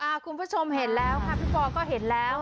คุณผู้ชมเห็นแล้วค่ะพี่ปอก็เห็นแล้ว